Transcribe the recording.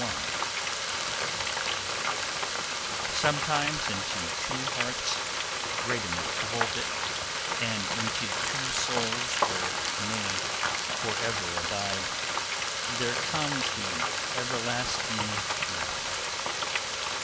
[Sidenote: The Everlasting Love] Sometimes, into two hearts great enough to hold it, and into two souls where it may forever abide, there comes the Everlasting Love.